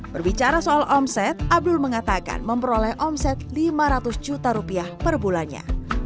berbicara soal omset abdul mengatakan memperoleh omset lima ratus juta rupiah per bulannya